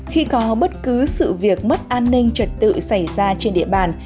khi có bất cứ sự việc mất an ninh trật tự xảy ra trên địa bàn